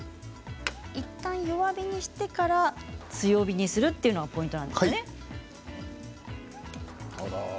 いったん弱火にしてから強火にするというのがポイントなんですね。